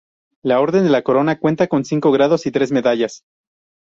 La Orden de la Corona cuenta con cinco grados y tres medallas.